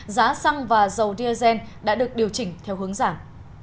giá xăng và dầu diesel đã được điều chỉnh theo hướng giảm